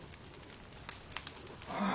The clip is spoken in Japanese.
ああ。